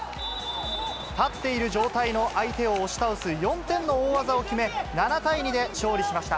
立っている状態の相手を押し倒す４点の大技を決め、７対２で勝利しました。